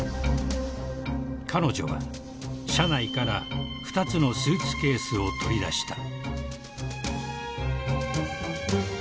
［彼女は車内から２つのスーツケースを取り出した］